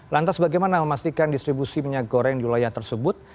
lantas bagaimana memastikan distribusi minyak goreng di wilayah tersebut